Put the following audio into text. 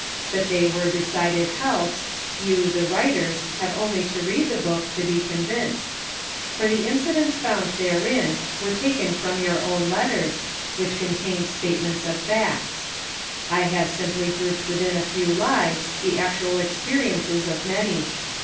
That they were decided helps, you, the writers, have only to read the book, to be convinced ; for the inci dents found therein were taken from your own letters, which contained statements of facts. I have simply grouped within a few lives, the actual experiences of many.